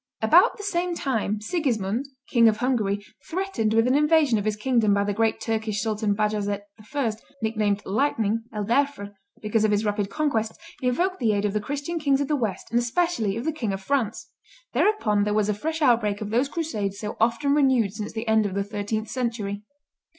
About the same time Sigismund, King of Hungary, threatened with an invasion of his kingdom by the great Turkish Sultan Bajazet I., nicknamed Lightning (El Derfr), because of his rapid conquests, invoked the aid of the Christian kings of the West, and especially of the King of France. Thereupon there was a fresh outbreak of those crusades so often renewed since the end of the thirteenth century.